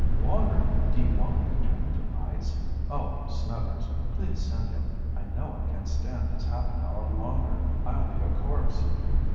"Water? Do you want me to turn into ice? Oh, Snuggers, please send him. I know I can't stand this half an hour longer. I'll be a corpse!"